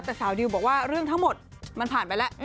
แต่สาวดิวบอกว่าเรื่องทั้งหมดมันผ่านไปแล้ว